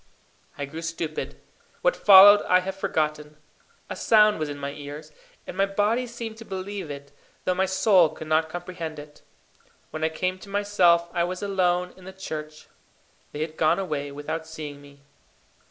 I grew stupid. What followed I have forgotten. A sound was in my ears, and my body seemed to believe it, though my soul could not comprehend it. When I came to myself I was alone in the church. They had gone away without seeing me.